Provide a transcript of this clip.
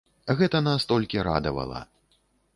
Гэта нас толькі радавала.